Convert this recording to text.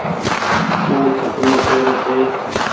او سپنو ڪي رو ڇي۔